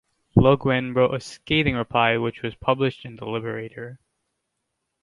Loguen wrote a scathing reply which was published in "The Liberator".